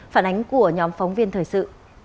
phản ánh của nhóm phóng viên thời sự